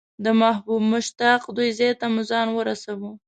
د محبوب مشتاق دوی ځای ته مو ځان ورساوه.